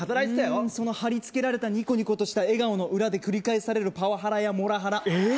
うんそのはりつけられたニコニコとした笑顔の裏で繰り返されるパワハラやモラハラええっ